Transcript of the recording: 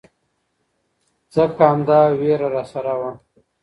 ځکه همدا ويره راسره وه.